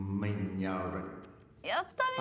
やったね。